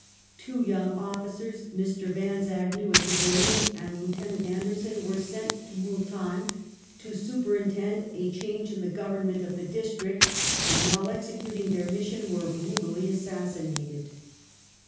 Two young officers, Mr. Vans Agnew, a civilian, and Lieutenant Anderson were sent to Mult^n to superintend a change in the government of the district, and while executing their mission were brutally assassinated.